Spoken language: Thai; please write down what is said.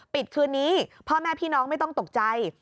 คืนนี้พ่อแม่พี่น้องไม่ต้องตกใจ